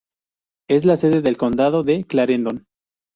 Es la sede del condado de Clarendon.